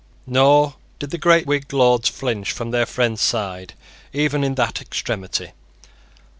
Nor did the great Whig lords flinch from their friend's side even in that extremity.